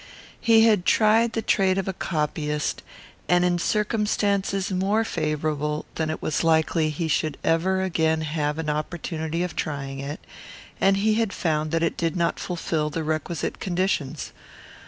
He had tried the trade of a copyist, and in circumstances more favourable than it was likely he should ever again have an opportunity of trying it, and he had found that it did not fulfil the requisite conditions.